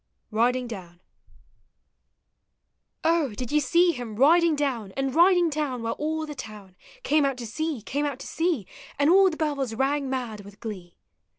R1DINO DOWN. On, did you see him riding down. And riding down, while all the town Came out to see, came out to see, And all the bells rang mad with glee?